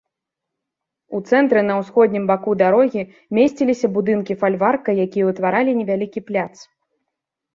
У цэнтры на ўсходнім баку дарогі месціліся будынкі фальварка, якія ўтваралі невялікі пляц.